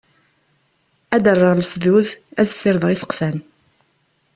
Ad d-rreɣ lesdud, ad sirdeɣ iseqfan.